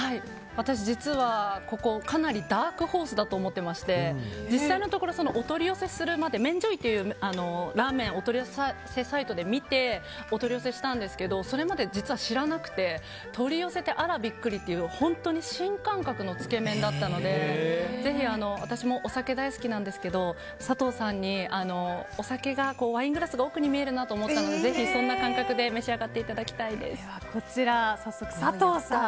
実はここ、かなりダークホースだと思っていまして実際のところお取り寄せするまでラーメンお取り寄せサイトで見てお取り寄せしたんですけどそれまで知らなくて取り寄せてあらビックリという本当に新感覚のつけ麺だったのでぜひ、私もお酒大好きなんですが佐藤さんにワイングラスが奥に見えるなと思ったのでぜひそんな感覚でこちら、早速佐藤さん